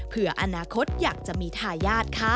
เพื่ออนาคตอยากจะมีทายาทค่ะ